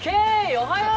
おはよう！」